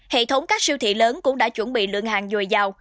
hệ thống các siêu thị lớn cũng đã chuẩn bị lượng hàng dồi dào